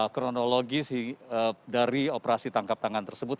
kronologi dari operasi tangkap tangan tersebut